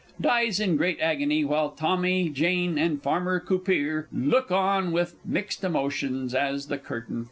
[Dies in great agony, while TOMMY, JANE, and Farmer COPEER look on with mixed emotions as the Curtain falls.